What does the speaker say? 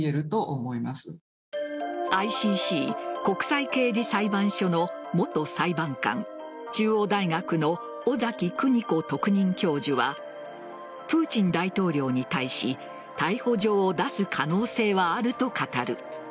ＩＣＣ＝国際刑事裁判所の元裁判官中央大学の尾崎久仁子特任教授はプーチン大統領に対し逮捕状を出す可能性はあると語る。